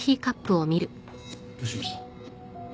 どうしました？